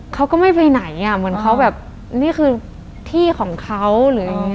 เขาก็ไม่ไปไหนอ่ะเหมือนเขาแบบนี่คือที่ของเขาหรืออย่างนี้